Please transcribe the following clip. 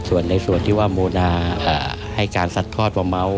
ส่วนในที่มณาให้การสัดพรศบำม้าว